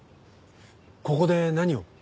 ここで何を？